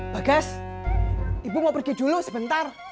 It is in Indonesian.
bagas ibu mau pergi dulu sebentar